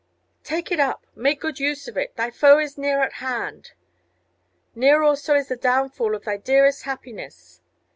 "Take it up, make good use of it! thy foe is near at hand! Near also is the downfall of thy dearest happiness."